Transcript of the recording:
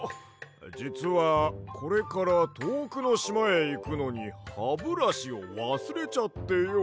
じつはこれからとおくのしまへいくのにハブラシをわすれちゃってよ。